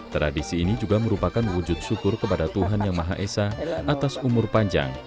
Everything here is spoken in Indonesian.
tradisi ini juga merupakan wujud syukur kepada tuhan yang maha esa atas umur panjang